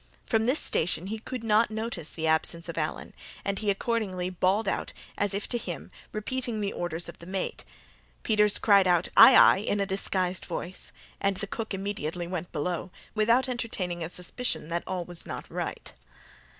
From this station he could not notice the absence of Allen, and he accordingly bawled out, as if to him, repeating the orders of the mate. Peters cried out, "Ay, ay," in a disguised voice, and the cook immediately went below, without entertaining a suspicion that all was not right.